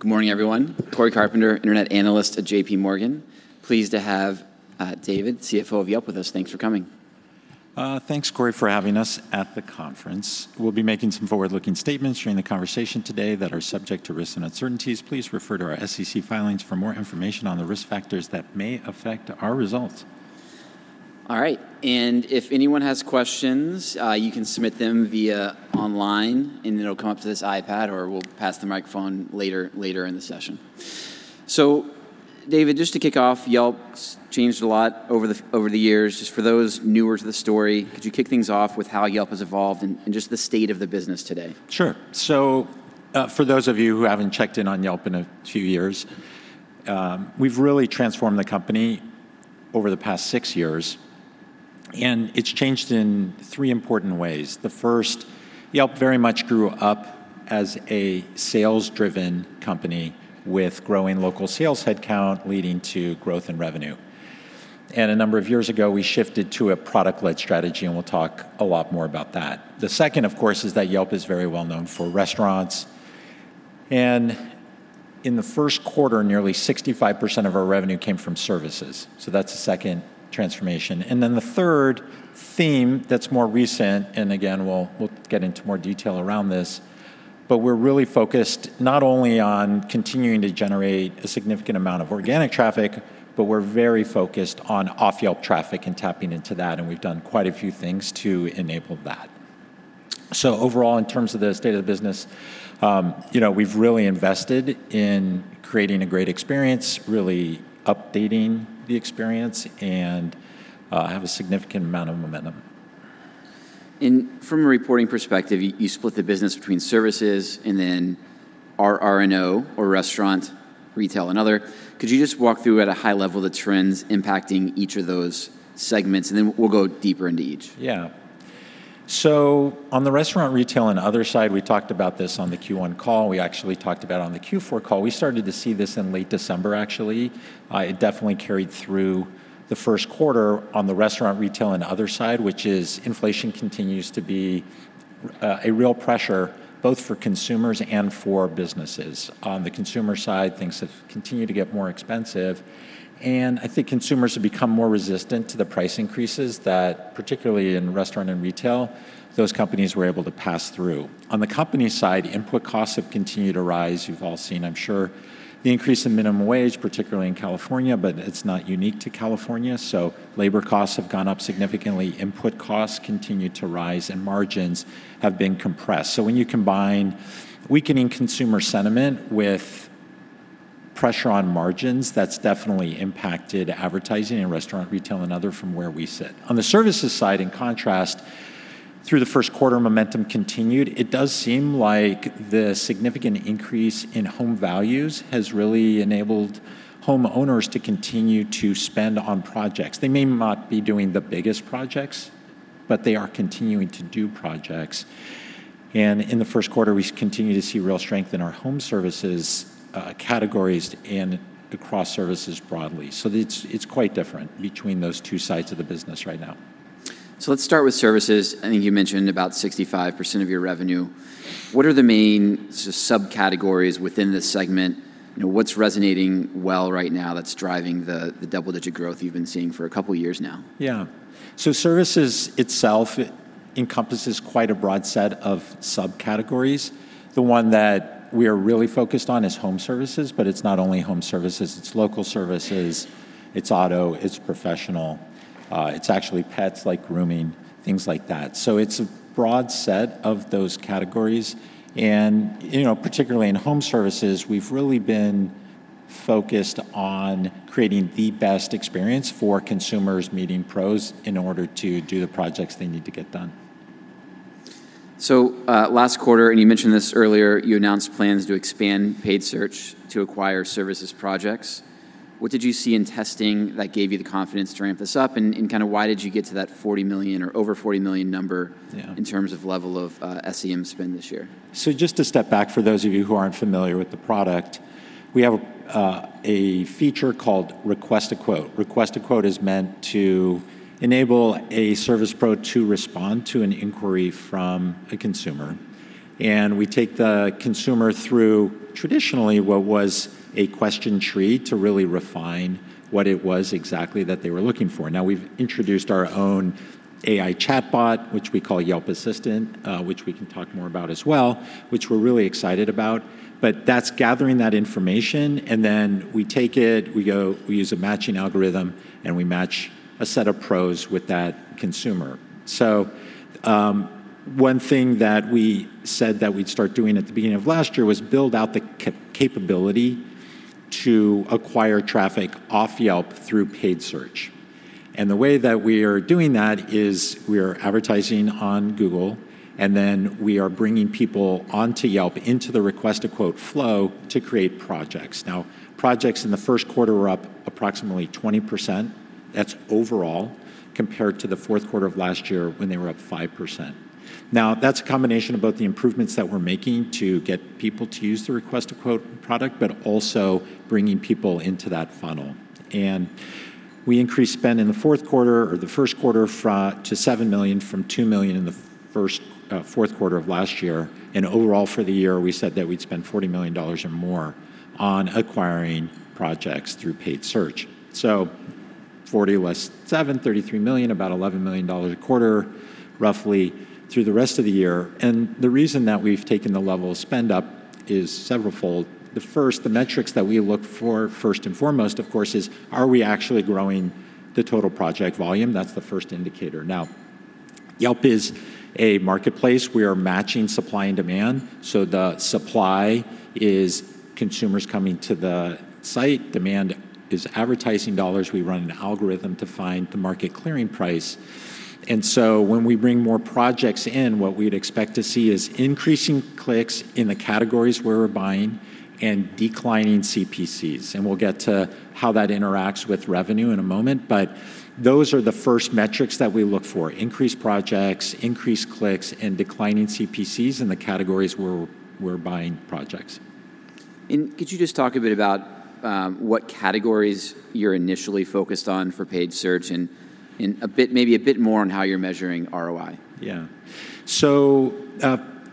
Good morning, everyone. Cory Carpenter, Internet Analyst at J.P. Morgan. Pleased to have, David, CFO of Yelp, with us. Thanks for coming. Thanks, Cory, for having us at the conference. We'll be making some forward-looking statements during the conversation today that are subject to risks and uncertainties. Please refer to our SEC filings for more information on the risk factors that may affect our results. All right, and if anyone has questions, you can submit them via online, and it'll come up to this iPad, or we'll pass the microphone later in the session. So David, just to kick off, Yelp's changed a lot over the years. Just for those newer to the story, could you kick things off with how Yelp has evolved and just the state of the business today? Sure. So, for those of you who haven't checked in on Yelp in a few years, we've really transformed the company over the past six years, and it's changed in three important ways. The first, Yelp very much grew up as a sales-driven company with growing local sales headcount leading to growth and revenue. A number of years ago, we shifted to a product-led strategy, and we'll talk a lot more about that. The second, of course, is that Yelp is very well known for restaurants, and in the first quarter, nearly 65% of our revenue came from services, so that's the second transformation. And then the third theme that's more recent, and again, we'll, we'll get into more detail around this, but we're really focused not only on continuing to generate a significant amount of organic traffic, but we're very focused on off-Yelp traffic and tapping into that, and we've done quite a few things to enable that. So overall, in terms of the state of the business, you know, we've really invested in creating a great experience, really updating the experience, and have a significant amount of momentum. From a reporting perspective, you split the business between services and then RR&O or restaurant, retail and other. Could you just walk through at a high level the trends impacting each of those segments? And then we'll go deeper into each. Yeah. So, on the restaurant, retail, and other side, we talked about this on the Q1 call, we actually talked about on the Q4 call, we started to see this in late December, actually. It definitely carried through the first quarter on the restaurant, retail, and other side, which is inflation continues to be a real pressure both for consumers and for businesses. On the consumer side, things have continued to get more expensive, and I think consumers have become more resistant to the price increases that, particularly in restaurant and retail, those companies were able to pass through. On the company side, input costs have continued to rise. You've all seen, I'm sure, the increase in minimum wage, particularly in California, but it's not unique to California, so, labor costs have gone up significantly, input costs continue to rise, and margins have been compressed. So when you combine weakening consumer sentiment with pressure on margins, that's definitely impacted advertising and restaurant, retail, and other from where we sit. On the services side, in contrast, through the first quarter, momentum continued. It does seem like the significant increase in home values has really enabled homeowners to continue to spend on projects. They may not be doing the biggest projects, but they are continuing to do projects, and in the first quarter, we continued to see real strength in our home services categories and across services broadly. So it's quite different between those two sides of the business right now. So let's start with services. I think you mentioned about 65% of your revenue. What are the main subcategories within this segment? You know, what's resonating well right now that's driving the double-digit growth you've been seeing for a couple of years now? Yeah. So services itself encompasses quite a broad set of subcategories. The one that we are really focused on is home services, but it's not only home services, it's local services, it's auto, it's professional, it's actually pets, like grooming, things like that. So it's a broad set of those categories, and, you know, particularly in home services, we've really been focused on creating the best experience for consumers meeting pros in order to do the projects they need to get done. So, last quarter, and you mentioned this earlier, you announced plans to expand paid search to acquire services projects. What did you see in testing that gave you the confidence to ramp this up, and, and kind of why did you get to that $40 million or over $40 million number? Yeah... in terms of level of SEM spend this year? So just to step back, for those of you who aren't familiar with the product, we have a, a feature called Request a Quote. Request a Quote is meant to enable a service pro to respond to an inquiry from a consumer, and we take the consumer through traditionally what was a question tree to really refine what it was exactly that they were looking for. Now, we've introduced our own AI chatbot, which we call Yelp Assistant, which we can talk more about as well, which we're really excited about. But that's gathering that information, and then we take it, we go, we use a matching algorithm, and we match a set of pros with that consumer. So, one thing that we said that we'd start doing at the beginning of last year was build out the capability to acquire traffic off Yelp through paid search. And the way that we are doing that is, we are advertising on Google, and then we are bringing people onto Yelp, into the Request a Quote flow, to create projects. Now, projects in the first quarter were up approximately 20%. That's overall, compared to the fourth quarter of last year, when they were up 5%. Now, that's a combination of both the improvements that we're making to get people to use the Request a Quote product, but also bringing people into that funnel. We increased spend in the first quarter to $7 million from $2 million in the fourth quarter of last year. And overall, for the year, we said that we'd spend $40 million or more on acquiring projects through paid search. So, $40 million less 7, $33 million, about $11 million a quarter, roughly through the rest of the year. And the reason that we've taken the level of spend up is severalfold. The first, the metrics that we look for, first and foremost, of course, is: Are we actually growing the total project volume? That's the first indicator. Now, Yelp is a marketplace. We are matching supply and demand, so the supply is consumers coming to the site. Demand is advertising dollars. We run an algorithm to find the market clearing price. And so, when we bring more projects in, what we'd expect to see is increasing clicks in the categories where we're buying and declining CPCs, and we'll get to how that interacts with revenue in a moment. Those are the first metrics that we look for: increased projects, increased clicks, and declining CPCs in the categories where we're buying projects. Could you just talk a bit about what categories you're initially focused on for paid search and a bit, maybe a bit more on how you're measuring ROI? Yeah. So,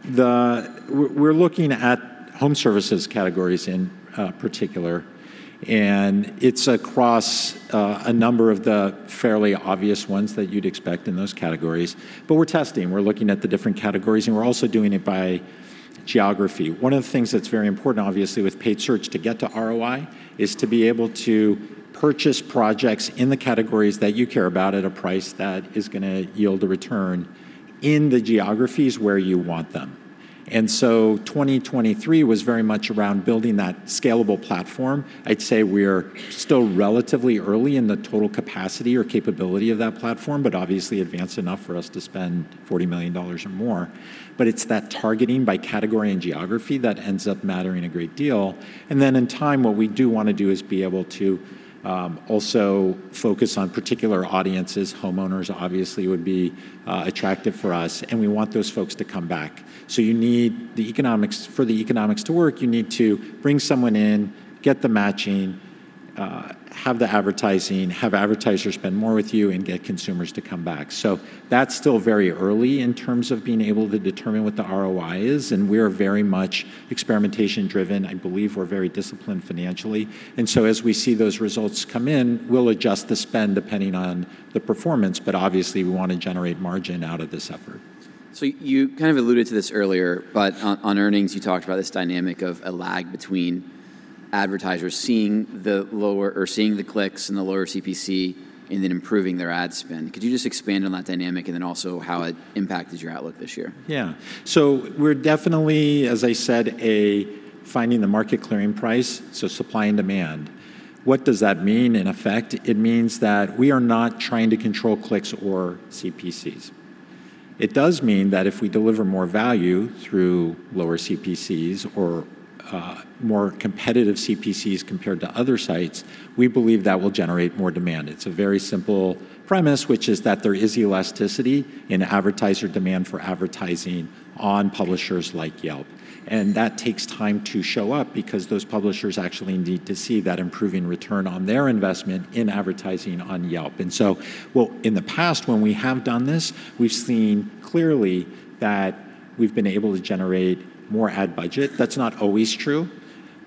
we're looking at home services categories in particular, and it's across a number of the fairly obvious ones that you'd expect in those categories. But we're testing, we're looking at the different categories, and we're also doing it by geography. One of the things that's very important, obviously, with paid search to get to ROI is to be able to purchase projects in the categories that you care about at a price that is gonna yield a return in the geographies where you want them. And so 2023 was very much around building that scalable platform. I'd say we're still relatively early in the total capacity or capability of that platform, but obviously advanced enough for us to spend $40 million or more. But it's that targeting by category and geography that ends up mattering a great deal. In time, what we do want to do is be able to also focus on particular audiences. Homeowners, obviously, would be attractive for us, and we want those folks to come back. So you need the economics for the economics to work, you need to bring someone in, get the matching, have the advertising, have advertisers spend more with you, and get consumers to come back. So, that's still very early in terms of being able to determine what the ROI is, and we are very much experimentation driven. I believe we're very disciplined financially, and so as we see those results come in, we'll adjust the spend depending on the performance. But obviously, we want to generate margin out of this effort. So, you kind of alluded to this earlier, but on, on earnings, you talked about this dynamic of a lag between advertisers seeing the lower or seeing the clicks and the lower CPC and then improving their ad spend. Could you just expand on that dynamic and then also how it impacted your outlook this year? Yeah. So, we're definitely, as I said, are finding the market clearing price, so supply and demand. What does that mean in effect? It means that we are not trying to control clicks or CPCs. It does mean that if we deliver more value through lower CPCs or more competitive CPCs compared to other sites, we believe that will generate more demand. It's a very simple premise, which is that there is elasticity in advertiser demand for advertising on publishers like Yelp, and that takes time to show up because those publishers actually need to see that improving return on their investment in advertising on Yelp. And so, well, in the past, when we have done this, we've seen clearly that we've been able to generate more ad budget. That's not always true,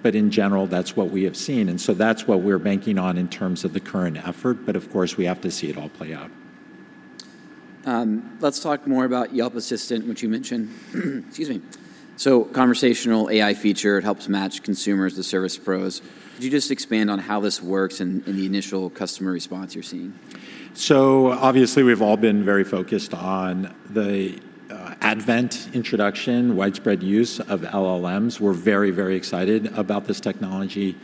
but in general, that's what we have seen, and so that's what we're banking on in terms of the current effort. But of course, we have to see it all play out. Let's talk more about Yelp Assistant, which you mentioned. Excuse me. Conversational AI feature, it helps match consumers to service pros. Could you just expand on how this works and the initial customer response you're seeing? So obviously, we've all been very focused on the advent, introduction, widespread use of LLMs. We're very, very excited about this technology.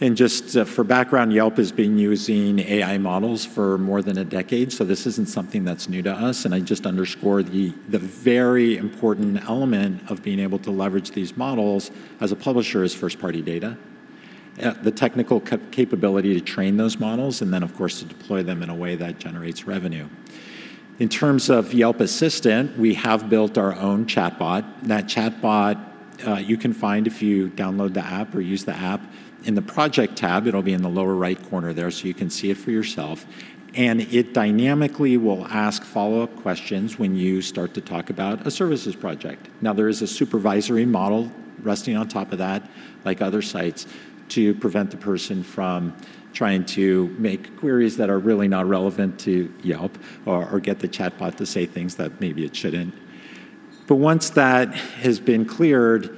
Just for background, Yelp has been using AI models for more than a decade, so this isn't something that's new to us. I just underscore the very important element of being able to leverage these models as a publisher is first-party data, the technical capability to train those models, and then, of course, to deploy them in a way that generates revenue. In terms of Yelp Assistant, we have built our own chatbot. That chatbot, you can find if you download the app or use the app. In the Project tab, it'll be in the lower right corner there, so you can see it for yourself. It dynamically will ask follow-up questions when you start to talk about a services project. Now, there is a supervisory model resting on top of that, like other sites, to prevent the person from trying to make queries that are really not relevant to Yelp or, or get the chatbot to say things that maybe it shouldn't. But once that has been cleared,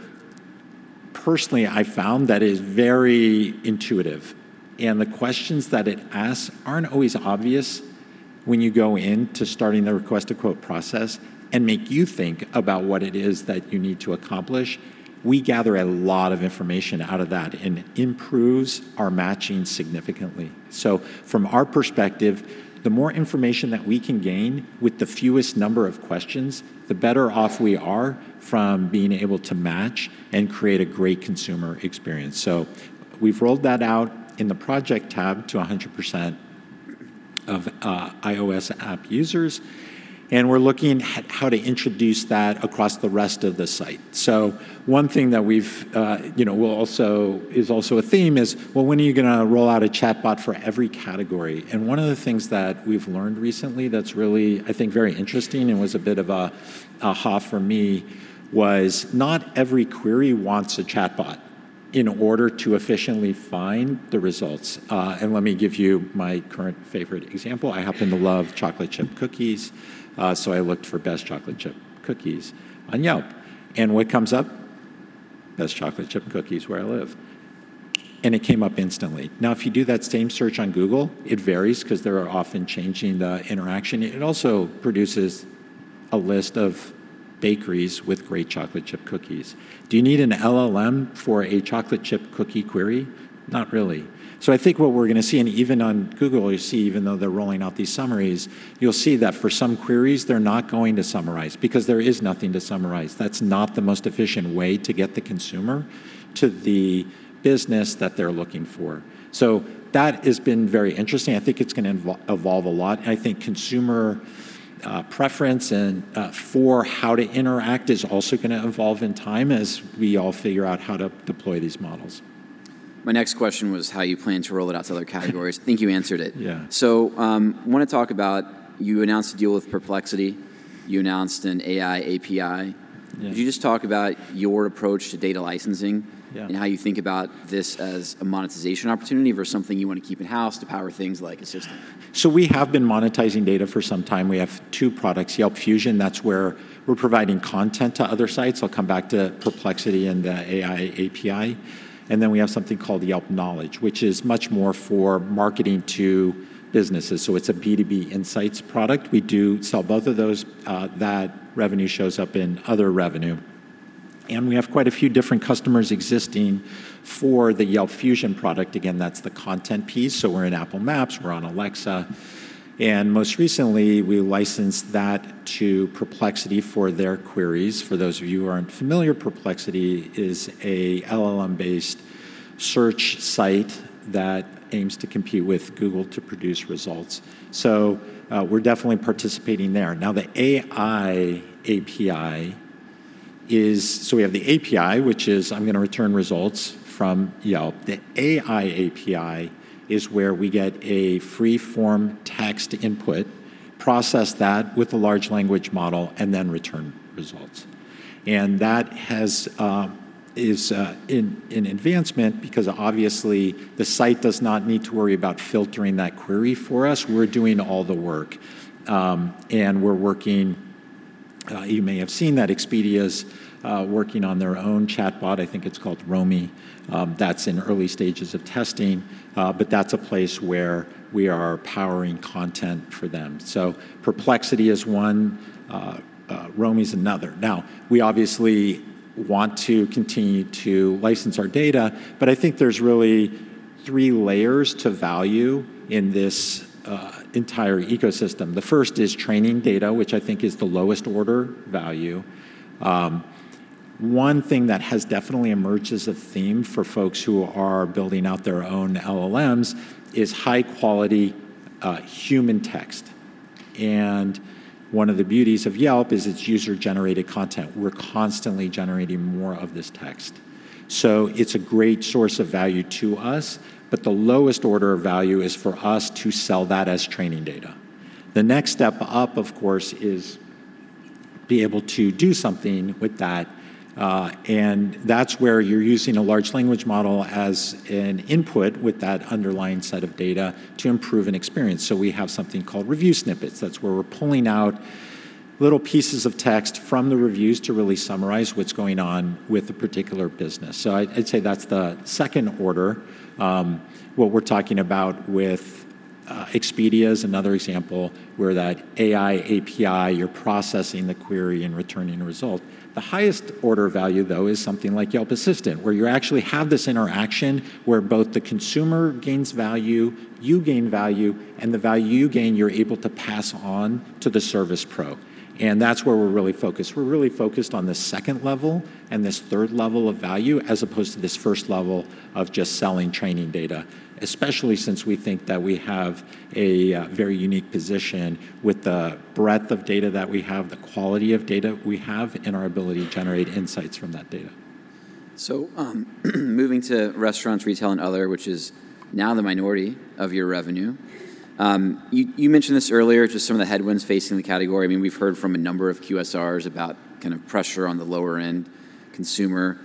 personally, I found that it is very intuitive, and the questions that it asks aren't always obvious when you go in to starting the Request a Quote process and make you think about what it is that you need to accomplish. We gather a lot of information out of that, and it improves our matching significantly. So, from our perspective, the more information that we can gain with the fewest number of questions, the better off we are from being able to match and create a great consumer experience. So, we've rolled that out in the Project tab to 100% of iOS app users, and we're looking at how to introduce that across the rest of the site. So, one thing that we've, you know, is also a theme is, well, when are you gonna roll out a chatbot for every category? And one of the things that we've learned recently that's really, I think, very interesting, and was a bit of an aha for me, was not every query wants a chatbot in order to efficiently find the results. And let me give you my current favorite example. I happen to love chocolate chip cookies, so I looked for best chocolate chip cookies on Yelp. And what comes up? Best chocolate chip cookies where I live, and it came up instantly. Now, if you do that same search on Google, it varies 'cause they are often changing the interaction. It also produces a list of bakeries with great chocolate chip cookies. Do you need an LLM for a chocolate chip cookie query? Not really. So I think what we're gonna see, and even on Google, you'll see, even though they're rolling out these summaries, you'll see that for some queries, they're not going to summarize because there is nothing to summarize. That's not the most efficient way to get the consumer to the business that they're looking for. So, that has been very interesting. I think it's gonna evolve a lot, and I think consumer preference and for how to interact is also gonna evolve in time as we all figure out how to deploy these models. My next question was how you plan to roll it out to other categories. I think you answered it. Yeah. So, I wanna talk about you announced a deal with Perplexity. You announced an AI API. Yeah. Could you just talk about your approach to data licensing? Yeah ... and how you think about this as a monetization opportunity versus something you want to keep in-house to power things like Assistant? So we have been monetizing data for some time. We have two products, Yelp Fusion, that's where we're providing content to other sites. I'll come back to Perplexity and the AI API. And then we have something called Yelp Knowledge, which is much more for marketing to businesses, so it's a B2B insights product. We do sell both of those. That revenue shows up in other revenue, and we have quite a few different customers existing for the Yelp Fusion product. Again, that's the content piece. So we're in Apple Maps, we're on Alexa, and most recently, we licensed that to Perplexity for their queries. For those of you who aren't familiar, Perplexity is a LLM-based search site that aims to compete with Google to produce results. So, we're definitely participating there. Now, the AI API is so we have the API, which is, I'm gonna return results from Yelp. The AI API is where we get a free-form text input, process that with a large language model, and then return results. And that is an advancement because obviously, the site does not need to worry about filtering that query for us. We're doing all the work. And we're working. You may have seen that Expedia's working on their own chatbot, I think it's called Romie. That's in early stages of testing, but that's a place where we are powering content for them. So Perplexity is one, Romie's another. Now, we obviously want to continue to license our data, but I think there's really three layers to value in this entire ecosystem. The first is training data, which I think is the lowest order value. One thing that has definitely emerged as a theme for folks who are building out their own LLMs is high-quality, human text, and one of the beauties of Yelp is its user-generated content. We're constantly generating more of this text, so it's a great source of value to us, but the lowest order of value is for us to sell that as training data. The next step up, of course, is be able to do something with that, and that's where you're using a large language model as an input with that underlying set of data to improve an experience. So we have something called review snippets. That's where we're pulling out little pieces of text from the reviews to really summarize what's going on with a particular business. So I'd say that's the second order. What we're talking about with Expedia is another example, where that AI API, you're processing the query and returning a result. The highest order value, though, is something like Yelp Assistant, where you actually have this interaction where both the consumer gains value, you gain value, and the value you gain, you're able to pass on to the service pro, and that's where we're really focused. We're really focused on this second level and this third level of value, as opposed to this first level of just selling training data, especially since we think that we have a very unique position with the breadth of data that we have, the quality of data we have, and our ability to generate insights from that data. So, moving to restaurants, retail, and other, which is now the minority of your revenue, you mentioned this earlier, just some of the headwinds facing the category. I mean, we've heard from a number of QSRs about kind of pressure on the lower-end consumer.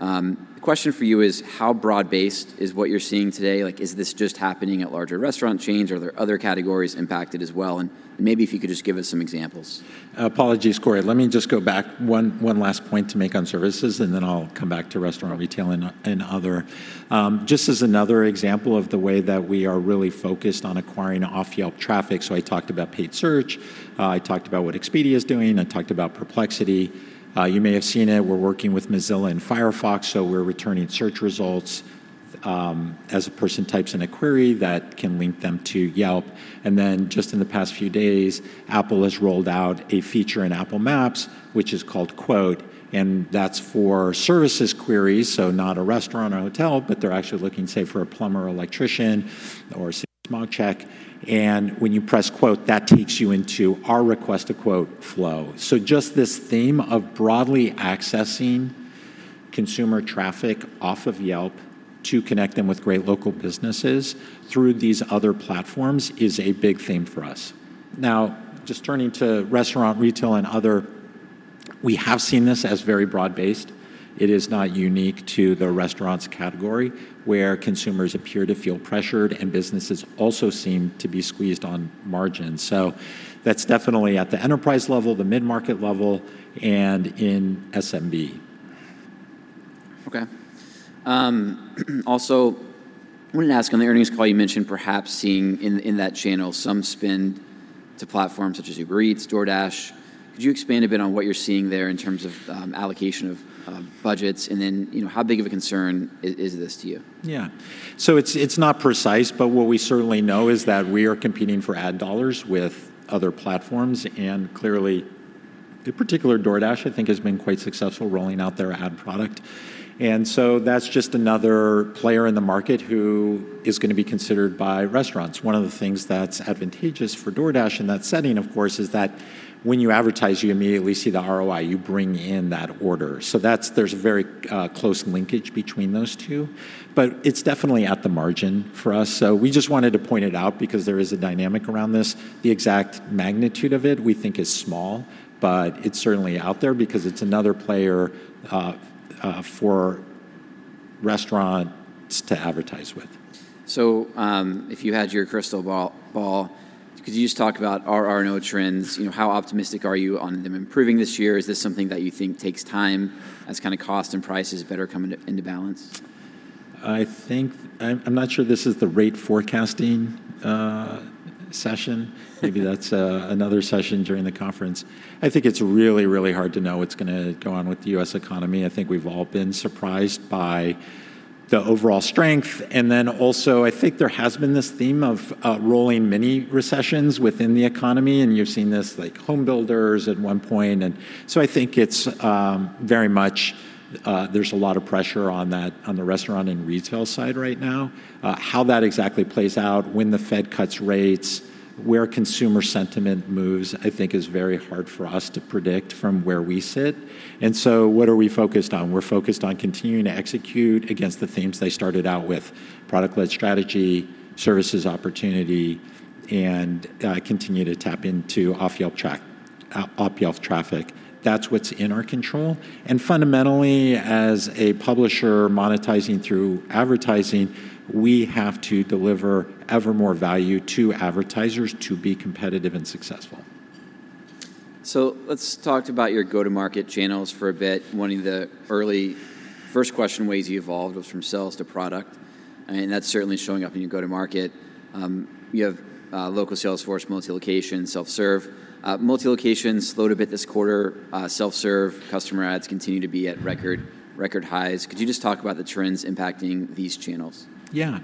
The question for you is: How broad-based is what you're seeing today? Like, is this just happening at larger restaurant chains, or are there other categories impacted as well? And maybe if you could just give us some examples. Apologies, Corey. Let me just go back one, one last point to make on services, and then I'll come back to restaurant, retail, and other. Just as another example of the way that we are really focused on acquiring off-Yelp traffic, so I talked about paid search, I talked about what Expedia is doing, I talked about Perplexity.... You may have seen it. We're working with Mozilla and Firefox, so we're returning search results, as a person types in a query that can link them to Yelp. And then, just in the past few days, Apple has rolled out a feature in Apple Maps, which is called Quote, and that's for services queries, so not a restaurant or hotel, but they're actually looking, say, for a plumber or electrician or smog check. When you press Quote, that takes you into our Request a Quote flow. So just this theme of broadly accessing consumer traffic off of Yelp to connect them with great local businesses through these other platforms is a big theme for us. Now, just turning to Restaurants, Retail, and Other, we have seen this as very broad-based. It is not unique to the restaurants category, where consumers appear to feel pressured and businesses also seem to be squeezed on margins. So, that's definitely at the enterprise level, the mid-market level, and in SMB. Okay. Also, I wanted to ask, on the earnings call, you mentioned perhaps seeing in that channel some spend to platforms such as Uber Eats, DoorDash. Could you expand a bit on what you're seeing there in terms of allocation of budgets? And then, you know, how big of a concern is this to you? Yeah. So it's not precise, but what we certainly know is that we are competing for ad dollars with other platforms, and clearly, in particular, DoorDash, I think, has been quite successful rolling out their ad product. And so that's just another player in the market who is gonna be considered by restaurants. One of the things that's advantageous for DoorDash in that setting, of course, is that when you advertise, you immediately see the ROI. You bring in that order. So that's. There's a very close linkage between those two, but it's definitely at the margin for us. So we just wanted to point it out because there is a dynamic around this. The exact magnitude of it, we think, is small, but it's certainly out there because it's another player for restaurants to advertise with. So, if you had your crystal ball, could you just talk about RR&O trends? You know, how optimistic are you on them improving this year? Is this something that you think takes time, as kind of cost and prices better come into balance? I think I'm not sure this is the rate forecasting session. Maybe that's another session during the conference. I think it's really, really hard to know what's gonna go on with the U.S. economy. I think we've all been surprised by the overall strength, and then also, I think there has been this theme of rolling mini recessions within the economy, and you've seen this, like, home builders at one point, and so I think it's very much there's a lot of pressure on the restaurant and retail side right now. How that exactly plays out, when the Fed cuts rates, where consumer sentiment moves, I think is very hard for us to predict from where we sit. And so what are we focused on? We're focused on continuing to execute against the themes that I started out with: product-led strategy, services opportunity, and continue to tap into off-Yelp traffic. That's what's in our control, and fundamentally, as a publisher monetizing through advertising, we have to deliver ever more value to advertisers to be competitive and successful. So, let's talk about your go-to-market channels for a bit. One of the early first question ways you evolved was from sales to product, and that's certainly showing up in your go-to-market. You have local sales force, multi-location, self-serve. Multi-location slowed a bit this quarter. Self-serve customer adds continue to be at record, record highs. Could you just talk about the trends impacting these channels? Yeah.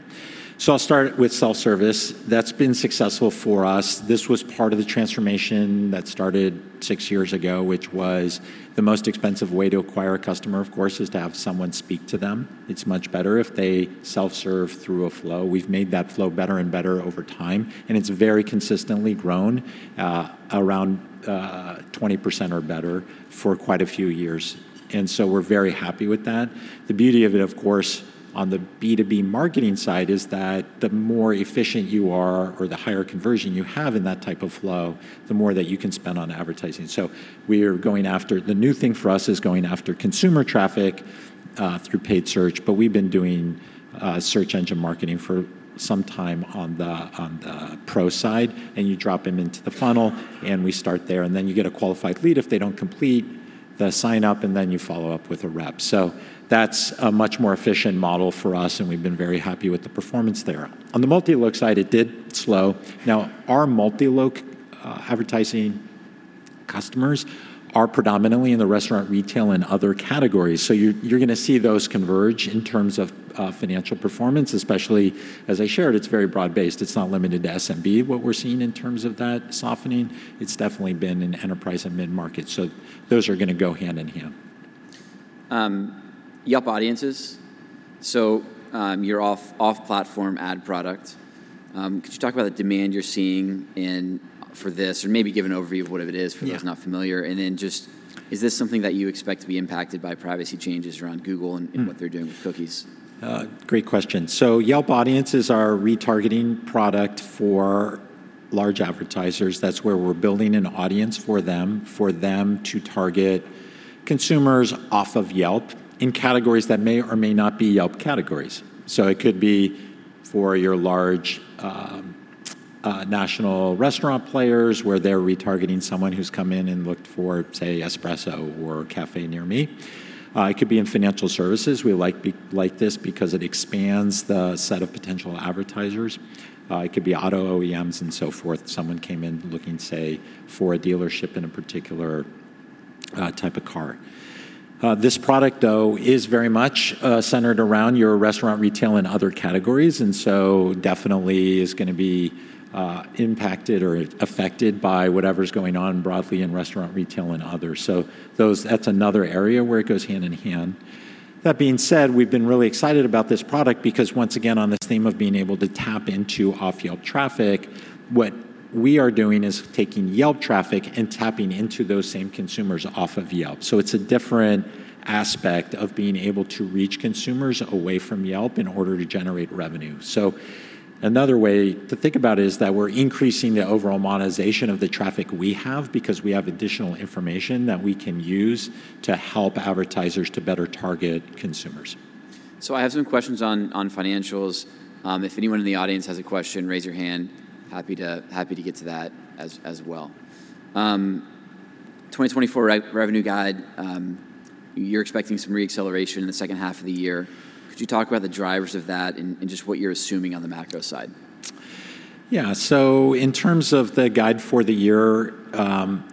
So, I'll start with self-service. That's been successful for us. This was part of the transformation that started six years ago, which was the most expensive way to acquire a customer, of course, is to have someone speak to them. It's much better if they self-serve through a flow. We've made that flow better and better over time, and it's very consistently grown around 20% or better for quite a few years, and so we're very happy with that. The beauty of it, of course, on the B2B marketing side, is that the more efficient you are or the higher conversion you have in that type of flow, the more that you can spend on advertising. So, we are going after. The new thing for us is going after consumer traffic through paid search, but we've been doing search engine marketing for some time on the pro side, and you drop them into the funnel, and we start there, and then you get a qualified lead if they don't complete the sign-up, and then you follow up with a rep. So that's a much more efficient model for us, and we've been very happy with the performance there. On the multi-loc side, it did slow. Now, our multi-loc advertising customers are predominantly in the restaurant, retail, and other categories, so you're gonna see those converge in terms of financial performance, especially as I shared, it's very broad-based. It's not limited to SMB, what we're seeing in terms of that softening. It's definitely been in enterprise and mid-market, so those are gonna go hand in hand. Yelp Audiences, so, your off-platform ad product, could you talk about the demand you're seeing in for this, or maybe give an overview of what it is? Yeah... for those not familiar, and then just, is this something that you expect to be impacted by privacy changes around Google and- Mm... and what they're doing with cookies? Great question. So, Yelp Audiences are retargeting product for large advertisers. That's where we're building an audience for them, for them to target consumers off of Yelp in categories that may or may not be Yelp categories. So it could be for your large national restaurant players, where they're retargeting someone who's come in and looked for, say, espresso or a café near me. It could be in financial services. We like, like this because it expands the set of potential advertisers. It could be auto OEMs and so forth. Someone came in looking, say, for a dealership in a particular type of car. This product, though, is very much centered around your restaurant, retail, and other categories, and so definitely is gonna be impacted or affected by whatever's going on broadly in restaurant, retail, and others. So, that's another area where it goes hand in hand. That being said, we've been really excited about this product because, once again, on this theme of being able to tap into off-Yelp traffic, what we are doing is taking Yelp traffic and tapping into those same consumers off of Yelp. So it's a different aspect of being able to reach consumers away from Yelp in order to generate revenue. So, another way to think about it is that we're increasing the overall monetization of the traffic we have because we have additional information that we can use to help advertisers to better target consumers. So I have some questions on financials. If anyone in the audience has a question, raise your hand. Happy to get to that as well. 2024 revenue guide, you're expecting some re-acceleration in the second half of the year. Could you talk about the drivers of that and just what you're assuming on the macro side? Yeah. So, in terms of the guide for the year,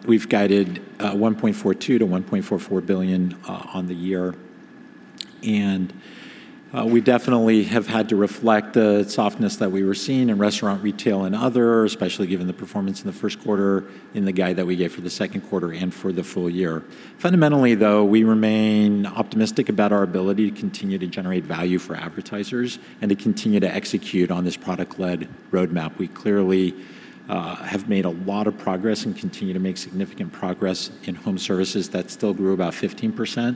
we've guided $1.42 billion-$1.44 billion on the year. We definitely have had to reflect the softness that we were seeing in restaurant, retail, and other, especially given the performance in the first quarter, in the guide that we gave for the second quarter and for the full year. Fundamentally, though, we remain optimistic about our ability to continue to generate value for advertisers and to continue to execute on this product-led roadmap. We clearly have made a lot of progress and continue to make significant progress in home services. That still grew about 15%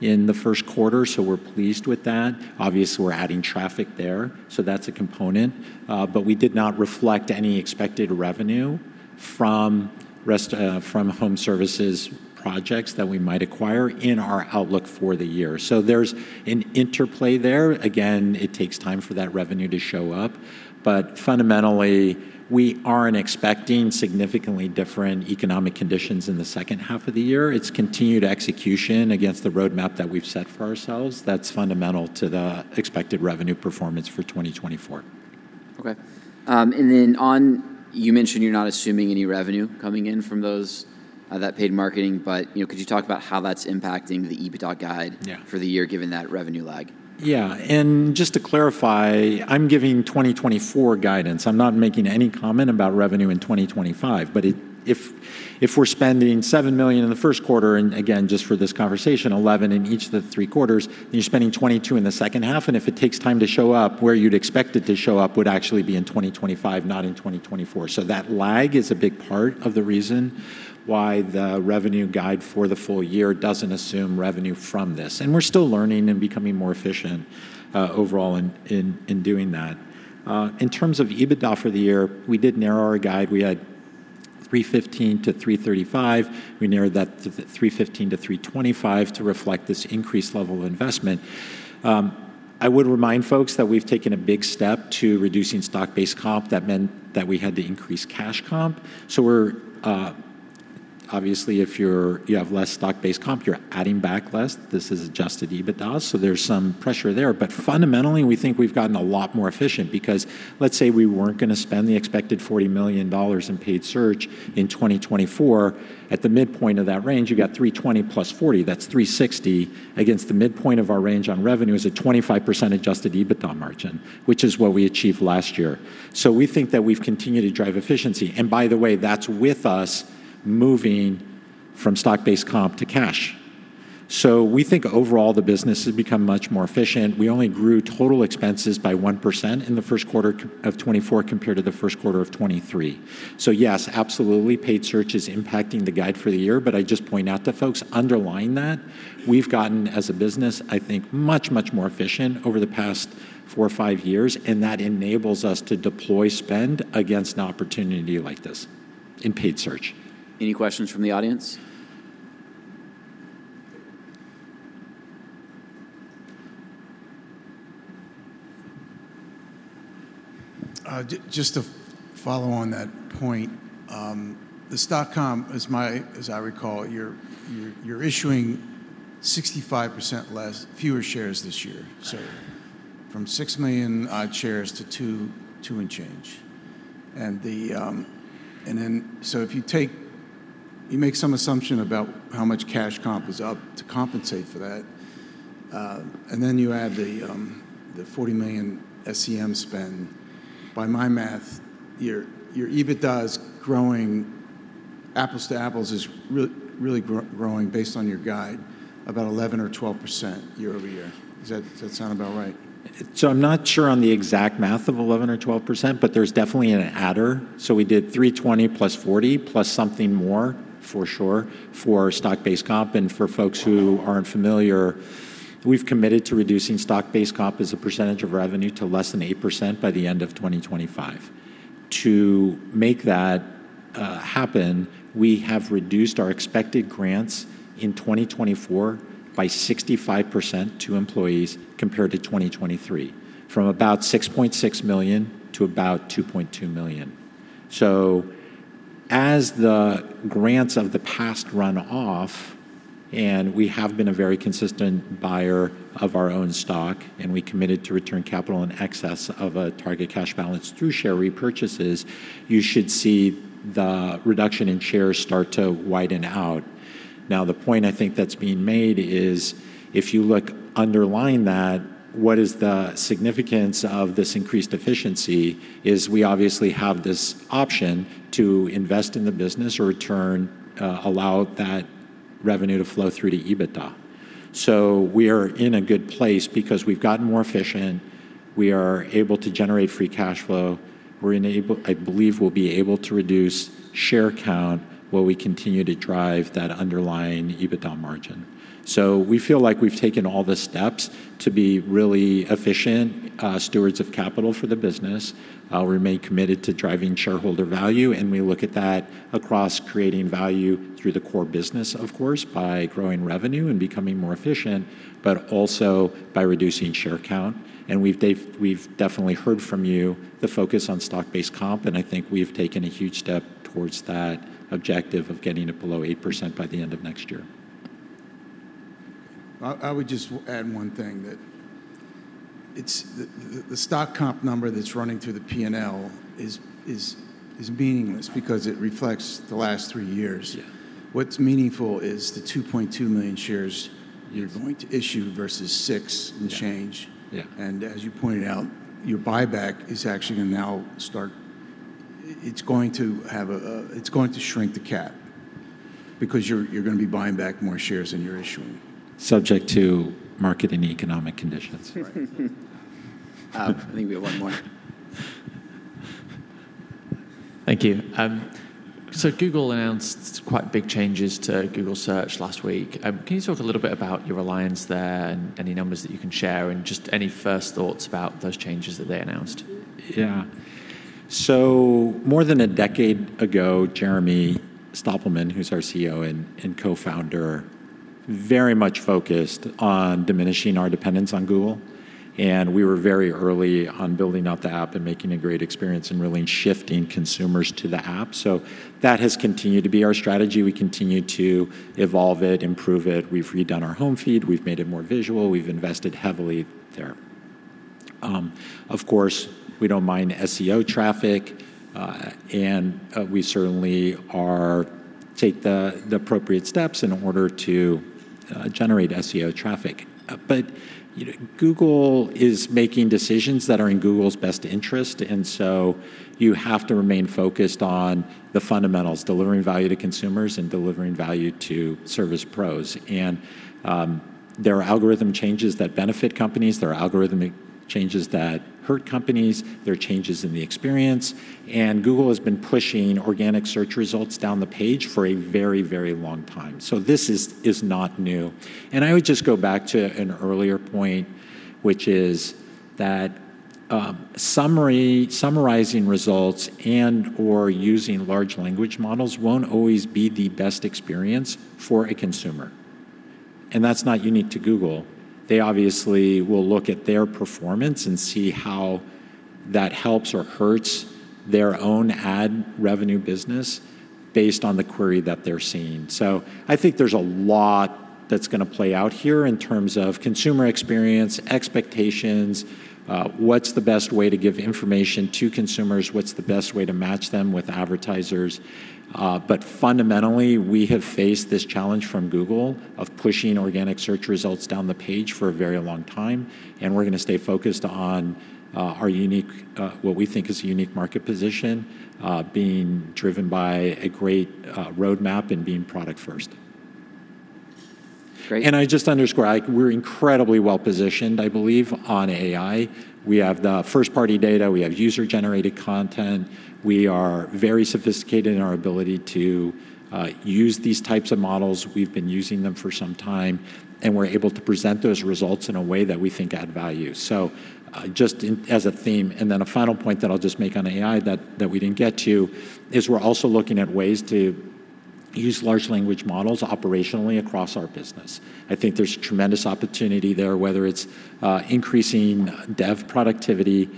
in the first quarter, so we're pleased with that. Obviously, we're adding traffic there, so that's a component. But we did not reflect any expected revenue from rest, from home services projects that we might acquire in our outlook for the year. So there's an interplay there. Again, it takes time for that revenue to show up, but fundamentally, we aren't expecting significantly different economic conditions in the second half of the year. It's continued execution against the roadmap that we've set for ourselves that's fundamental to the expected revenue performance for 2024. Okay. And then on... You mentioned you're not assuming any revenue coming in from those, that paid marketing, but, you know, could you talk about how that's impacting the EBITDA guide- Yeah... for the year, given that revenue lag? Yeah, and just to clarify, I'm giving 2024 guidance. I'm not making any comment about revenue in 2025. But if we're spending $7 million in the first quarter, and again, just for this conversation, $11 million in each of the three quarters, and you're spending $22 million in the second half, and if it takes time to show up, where you'd expect it to show up would actually be in 2025, not in 2024. So that lag is a big part of the reason why the revenue guide for the full year doesn't assume revenue from this, and we're still learning and becoming more efficient overall in doing that. In terms of EBITDA for the year, we did narrow our guide. We had $315 million-$335 million. We narrowed that to $315 million-$325 million to reflect this increased level of investment. I would remind folks that we've taken a big step to reducing stock-based comp. That meant that we had to increase cash comp. So we're obviously, if you're, you have less stock-based comp, you're adding back less. This is adjusted EBITDA, so there's some pressure there. But fundamentally, we think we've gotten a lot more efficient because let's say we weren't gonna spend the expected $40 million in paid search in 2024. At the midpoint of that range, you got $320 million + $40 million, that's $360 million. Against the midpoint of our range on revenue is a 25% adjusted EBITDA margin, which is what we achieved last year. So we think that we've continued to drive efficiency, and by the way, that's with us moving from stock-based comp to cash. So we think overall, the business has become much more efficient. We only grew total expenses by 1% in the first quarter of 2024 compared to the first quarter of 2023. So yes, absolutely, paid search is impacting the guide for the year, but I just point out to folks, underlying that, we've gotten, as a business, I think, much, much more efficient over the past four or five years, and that enables us to deploy spend against an opportunity like this in paid search. Any questions from the audience? Just to follow on that point, the stock comp, as I recall, you're issuing 65% less, fewer shares this year. Right. So from 6 million shares to 2, 2 and change. And then, so if you make some assumption about how much cash comp is up to compensate for that, and then you add the $40 million SEM spend, by my math, your EBITDA is growing, apples to apples, really growing based on your guide, about 11 or 12% year-over-year. Does that sound about right? So I'm not sure on the exact math of 11% or 12%, but there's definitely an adder. So we did $320 + $40 + something more, for sure, for stock-based comp. And for folks who aren't familiar, we've committed to reducing stock-based comp as a percentage of revenue to less than 8% by the end of 2025. To make that happen, we have reduced our expected grants in 2024 by 65% to employees compared to 2023, from about 6.6 million to about 2.2 million. As the grants of the past run off, and we have been a very consistent buyer of our own stock, and we committed to return capital in excess of a target cash balance through share repurchases, you should see the reduction in shares start to widen out. Now, the point I think that's being made is, if you look underlying that, what is the significance of this increased efficiency is we obviously have this option to invest in the business or return, allow that revenue to flow through to EBITDA. So, we are in a good place because we've gotten more efficient, we are able to generate free cash flow. We're. I believe we'll be able to reduce share count while we continue to drive that underlying EBITDA margin. So, we feel like we've taken all the steps to be really efficient, stewards of capital for the business. We remain committed to driving shareholder value, and we look at that across creating value through the core business, of course, by growing revenue and becoming more efficient, but also by reducing share count. We've definitely heard from you the focus on stock-based comp, and I think we've taken a huge step towards that objective of getting it below 8% by the end of next year. I would just add one thing, that it's the stock comp number that's running through the P&L is meaningless because it reflects the last three years. Yeah. What's meaningful is the 2.2 million shares- Yes -you're going to issue versus 6 and change. Yeah. As you pointed out, your buyback is actually going to now start... It's going to shrink the cap because you're gonna be buying back more shares than you're issuing. Subject to market and economic conditions. I think we have one more. Thank you. So, Google announced quite big changes to Google Search last week. Can you talk a little bit about your reliance there and any numbers that you can share, and just any first thoughts about those changes that they announced? Yeah. So, more than a decade ago, Jeremy Stoppelman, who's our CEO and co-founder, very much focused on diminishing our dependence on Google, and we were very early on building out the app and making a great experience and really shifting consumers to the app. So, that has continued to be our strategy. We continue to evolve it, improve it. We've redone our home feed, we've made it more visual, we've invested heavily there. Of course, we don't mind SEO traffic, and we certainly are taking the appropriate steps in order to generate SEO traffic. But you know, Google is making decisions that are in Google's best interest, and so, you have to remain focused on the fundamentals: delivering value to consumers and delivering value to service pros. There are algorithm changes that benefit companies, there are algorithmic changes that hurt companies, there are changes in the experience, and Google has been pushing organic search results down the page for a very, very long time. This is not new. I would just go back to an earlier point, which is that summarizing results and/or using large language models won't always be the best experience for a consumer, and that's not unique to Google. They obviously will look at their performance and see how that helps or hurts their own ad revenue business based on the query that they're seeing. I think there's a lot that's gonna play out here in terms of consumer experience, expectations, what's the best way to give information to consumers, what's the best way to match them with advertisers? But fundamentally, we have faced this challenge from Google of pushing organic search results down the page for a very long time, and we're gonna stay focused on our unique, what we think is a unique market position, being driven by a great roadmap and being product-first. Great. I just underscore, we're incredibly well-positioned, I believe, on AI. We have the first-party data, we have user-generated content. We are very sophisticated in our ability to use these types of models. We've been using them for some time, and we're able to present those results in a way that we think add value. So, just in, as a theme, and then a final point that I'll just make on AI that we didn't get to, is we're also looking at ways to use large language models operationally across our business. I think there's tremendous opportunity there, whether it's increasing dev productivity.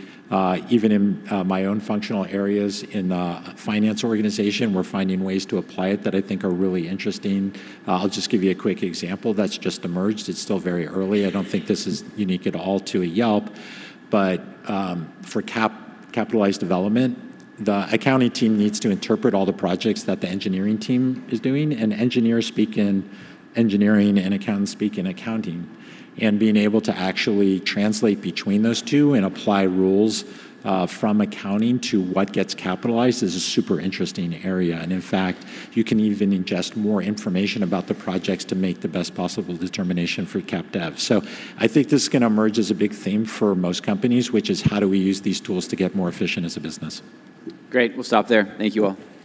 Even in my own functional areas in the finance organization, we're finding ways to apply it that I think are really interesting. I'll just give you a quick example that's just emerged. It's still very early. I don't think this is unique at all to Yelp, but, for capitalized development, the accounting team needs to interpret all the projects that the engineering team is doing, and engineers speak in engineering, and accountants speak in accounting. Being able to actually translate between those two and apply rules, from accounting to what gets capitalized is a super interesting area. And in fact, you can even ingest more information about the projects to make the best possible determination for Cap Dev. So, I think this is gonna emerge as a big theme for most companies, which is: How do we use these tools to get more efficient as a business? Great. We'll stop there. Thank you, all.